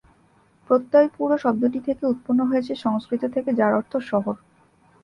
প্রত্যয় পুর শব্দটি থেকে উৎপন্ন হয়েছে সংস্কৃত থেকে, যার অর্থ শহর।